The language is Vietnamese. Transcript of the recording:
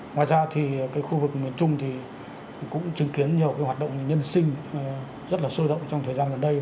ngoài ra thì cái khu vực miền trung thì cũng chứng kiến nhiều hoạt động nhân sinh rất là sôi động trong thời gian gần đây